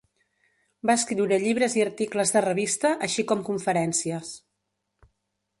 Va escriure llibres i articles de revista així com conferències.